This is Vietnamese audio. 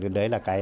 đó chính là cái